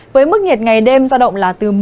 với mức nhiệt ngày đêm gia động là từ một mươi chín